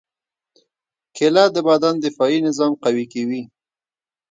کېله د بدن دفاعي نظام قوي کوي.